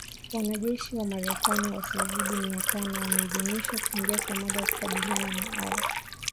Wanajeshi wa Marekani wasiozidi mia tano wameidhinishwa kuingia Somalia kukabiliana na Al Shabaab